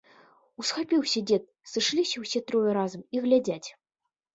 Усхапіўся дзед, сышліся ўсе трое разам і глядзяць.